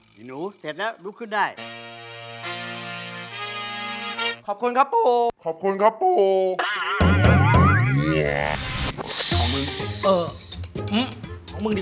ีหนูเสร็จแล้วลุกขึ้นได้